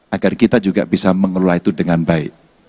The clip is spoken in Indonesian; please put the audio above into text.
agar kita juga bisa mengelola itu dengan baik